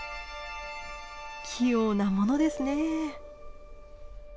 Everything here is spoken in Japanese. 器用なものですね。